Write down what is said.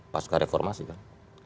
pas kareformasi kan